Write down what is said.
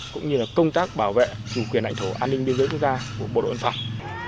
cũng như là công tác bảo vệ chủ quyền đảnh thổ an ninh biên giới quốc gia của bộ đội biên phòng